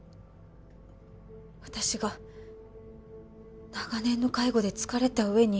私が長年の介護で疲れた上に